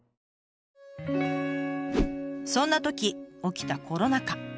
そんなとき起きたコロナ禍。